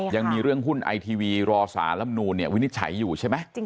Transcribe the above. ยังมีเรื่องหุ้นไอทีวีรอสารลำนูนวินิจฉัยอยู่ใช่ไหม